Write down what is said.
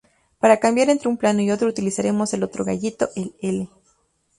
Para cambiar entre un plano y otro utilizaremos el otro gatillo, el "L".